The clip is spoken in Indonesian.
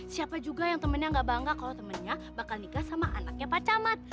siapa juga yang temennya gak bangga kalau temennya bakal nikah sama anaknya pak camat